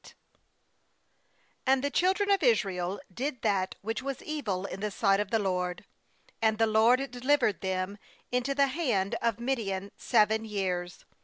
ft And the children of Israel did that which was evil in the sight of the LOBD; and the LORD delivered them into the hand of Midian seven years.